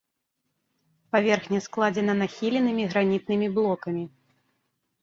Паверхня складзена нахіленымі гранітнымі блокамі.